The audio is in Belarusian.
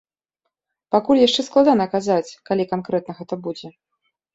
Пакуль яшчэ складана казаць, калі канкрэтна гэта будзе.